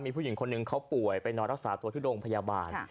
มีผู้หญิงคนหนึ่งเขาป่วยไปนอนรักษาตัวที่โรงพยาบาล